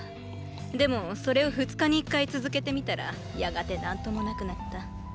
でもそれを二日に一回続けてみたらやがて何ともなくなった。